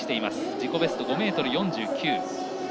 自己ベストは５ｍ４９。